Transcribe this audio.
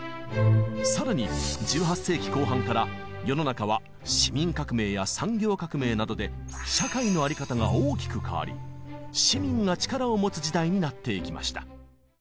さらに１８世紀後半から世の中は市民革命や産業革命などで社会の在り方が大きく変わり市民が力を持つ時代になっていきました。